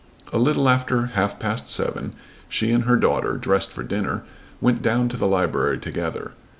A little after half past seven she and her daughter, dressed for dinner, went down to the library together.